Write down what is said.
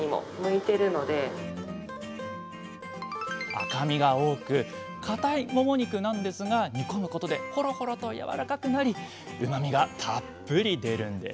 赤身が多くかたいもも肉なんですが煮込むことでほろほろとやわらかくなりうまみがたっぷり出るんです